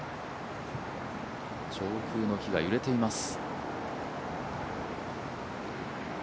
上空の木が揺れています。